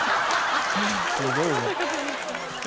すごいな。